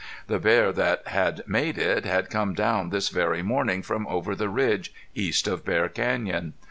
The bear that had made it had come down this very morning from over the ridge east of Bear Canyon.